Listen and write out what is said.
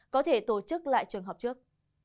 có thể tổ chức lại trường học trước